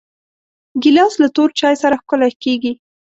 ګیلاس له تور چای سره ښکلی کېږي.